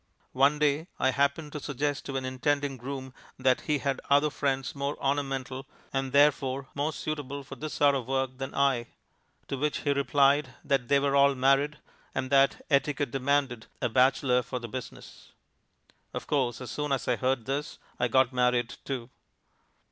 One day I happened to suggest to an intending groom that he had other friends more ornamental, and therefore more suitable for this sort of work, than I; to which he replied that they were all married, and that etiquette demanded a bachelor for the business. Of course, as soon as I heard this I got married too.